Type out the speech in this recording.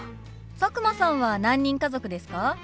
佐久間さんは何人家族ですか？